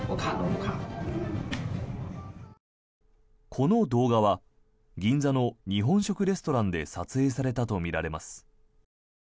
この動画は銀座の日本食レストランで撮影されたとみられます。